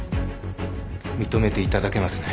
認めていただけますね。